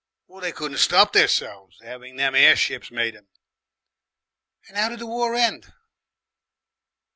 "They couldn't stop theirselves. 'Aving them airships made 'em." "And 'ow did the War end?"